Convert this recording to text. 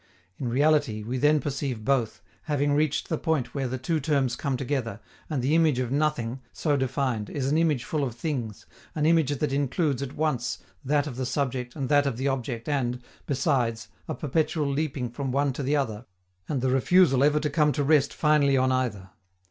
In reality, we then perceive both, having reached the point where the two terms come together, and the image of Nothing, so defined, is an image full of things, an image that includes at once that of the subject and that of the object and, besides, a perpetual leaping from one to the other and the refusal ever to come to rest finally on either.